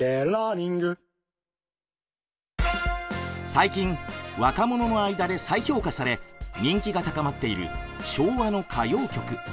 最近若者の間で再評価され人気が高まっている昭和の歌謡曲。